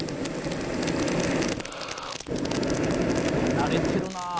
「慣れてるなあ」